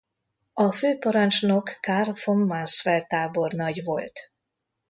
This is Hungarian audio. A főparancsnok Karl von Mansfeld tábornagy volt.